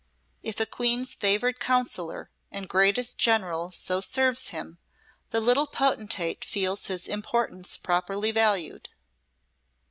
If a Queen's favoured counsellor and greatest general so serves him, the little potentate feels his importance properly valued."